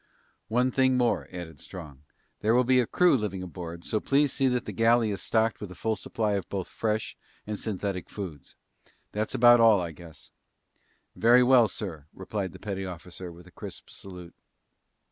"One thing more," added Strong. "There will be a crew living aboard, so please see that the galley is stocked with a full supply of both fresh and synthetic foods. That's about all, I guess." "Very well, sir," replied the petty officer with a crisp salute.